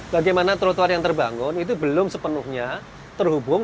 bagaimana trotoar yang terbangun itu belum sepenuhnya terhubung